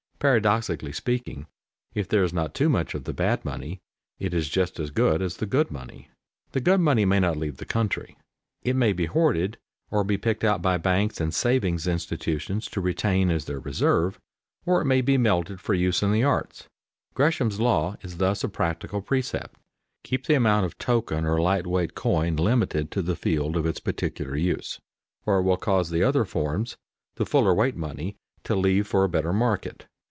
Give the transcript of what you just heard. Paradoxically speaking, if there is not too much of the bad money, it is just as good as the good money. The good money may not leave the country. It may be hoarded, or be picked out by banks and savings institutions to retain as their reserve, or it may be melted for use in the arts. Gresham's "law" is thus a practical precept: keep the amount of token or light weight coin limited to the field of its peculiar use, or it will cause the other forms, the fuller weight money, to leave for a better market.